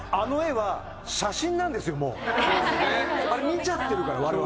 あれ見ちゃってるから我々。